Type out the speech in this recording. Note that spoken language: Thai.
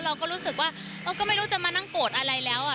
เราก็รู้สึกว่าเราก็ไม่รู้จะมานั่งโกรธอะไรแล้ว